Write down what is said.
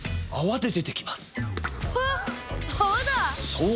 そう！